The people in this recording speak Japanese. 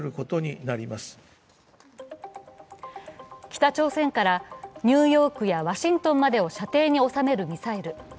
北朝鮮からニューヨークやワシントンまでを射程に収めるミサイル。